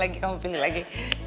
yaudah kamu pilih lagi